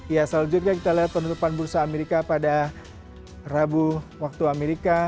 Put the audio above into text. ya selanjutnya kita lihat penutupan bursa amerika pada rabu waktu amerika